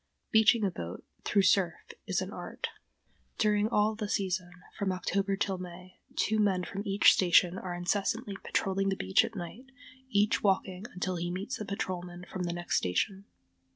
Beaching a boat through surf is an art. [Illustration: PATROLMEN EXCHANGING THEIR CHECKS.] During all the season, from October till May, two men from each station are incessantly patrolling the beach at night, each walking until he meets the patrolman from the next station.